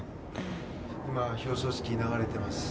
今、表彰式が流れてます。